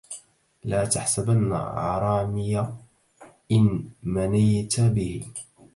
لا تحسبن عرامي إن منيت به